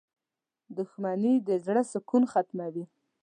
• دښمني د زړۀ سکون ختموي.